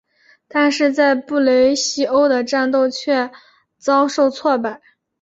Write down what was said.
但是在布雷西亚的战斗却遭受挫败。